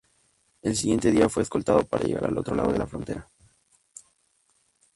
El siguiente día fue escoltado para llegar al otro lado de la frontera.